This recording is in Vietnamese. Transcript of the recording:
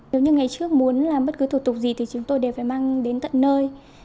nếu như ngày trước muốn làm bất cứ thủ tục gì thì chúng tôi đều phải mang đến tận nơi